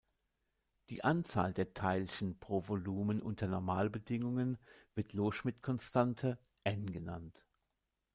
Die Anzahl der Teilchen pro Volumen unter Normalbedingungen wird Loschmidt-Konstante "N" genannt.